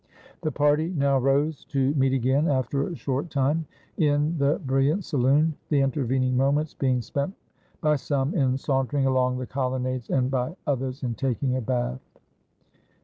The party now rose, to meet again after a short time in the brilliant saloon, the intervening moments being 482 A ROMAN BANQUET spent by some in sauntering along the colonnades, and by others in taking a bath.